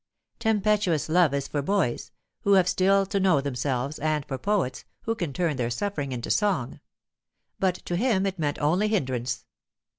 Tempestuous love is for boys, who have still to know themselves, and for poets, who can turn their suffering into song. But to him it meant only hindrance.